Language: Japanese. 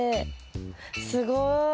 すごい。